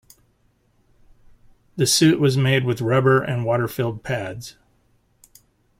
The suit was made with rubber and water-filled pads.